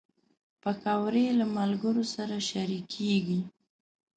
پکورې له ملګرو سره شریکېږي